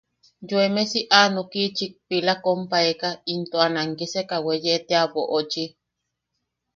Yoeme si anokiʼichik pila koʼompaeka into a nankiseka weye tea boʼochi.